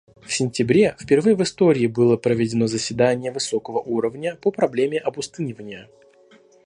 В сентябре впервые в истории было проведено заседание высокого уровня по проблеме опустынивания.